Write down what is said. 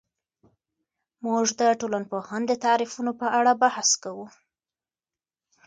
موږ د ټولنپوهنې د تعریفونو په اړه بحث کوو.